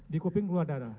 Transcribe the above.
di kuping keluar darah